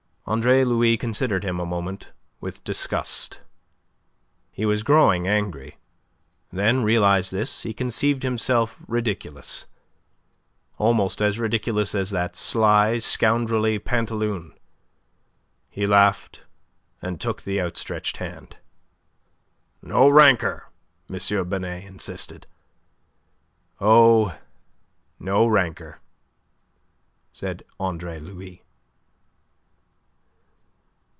Andre Louis considered him a moment with disgust. He was growing angry. Then, realizing this, he conceived himself ridiculous, almost as ridiculous as that sly, scoundrelly Pantaloon. He laughed and took the outstretched hand. "No rancour?" M. Binet insisted. "Oh, no rancour," said Andre Louis.